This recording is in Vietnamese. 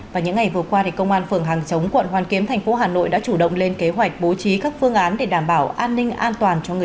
và những ngày vừa qua công an phường hàng chống quận hoàn kiếm tp hà nội đã chủ động lên kế hoạch bố trí các phương án để đảm bảo an ninh an toàn